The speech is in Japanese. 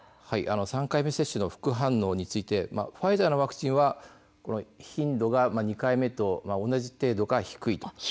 ３回目接種の副反応についてファイザーのワクチンは頻度が２回目と同じ程度か低い。